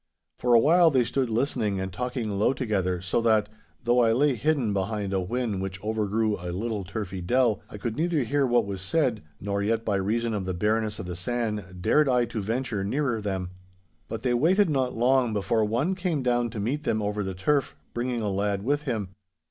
For a while they stood listening and talking low together, so that, though I lay hidden behind a whin which overgrew a little turfy dell, I could neither hear what was said, nor yet by reason of the bareness of the sand, dared I to adventure nearer them. 'But they waited not long before one came down to meet them over the turf, bringing a lad with him.